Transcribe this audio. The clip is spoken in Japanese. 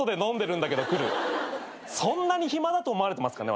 そんなに暇だと思われてますかね